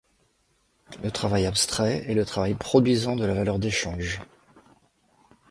Le travail abstrait est le travail produisant de la valeur d'échange.